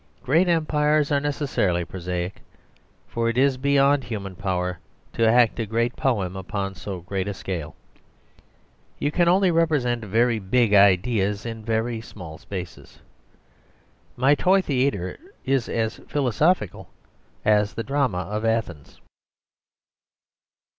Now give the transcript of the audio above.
Great empires are necessarily prosaic; for it is beyond human power to act a great poem upon so great a scale. You can only represent very big ideas in very small spaces. My toy theatre is as philosophical as the drama of Athens.